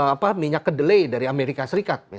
apa minyak kedelai dari amerika serikat